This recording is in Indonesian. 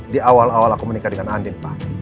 di awal awal aku menikah dengan andin pak